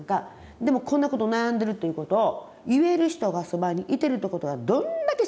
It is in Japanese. でもこんなことを悩んでるっていうことを言える人がそばにいてるってことはどんだけ幸せなことですか。